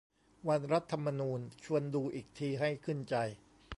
วันรัฐธรรมนูญ ชวนดูอีกทีให้ขึ้นใจ